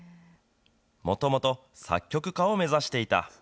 もともと作曲家を目指していた。